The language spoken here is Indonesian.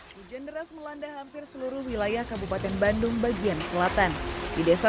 hai hujan deras melanda hampir seluruh wilayah kabupaten bandung bagian selatan di desa